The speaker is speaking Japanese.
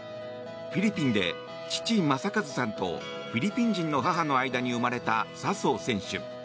フィリピンで父・正和さんとフィリピン人の母の間に生まれた笹生選手。